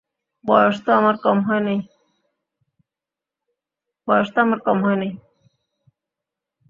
বয়স তো আমার কম হয় নাই।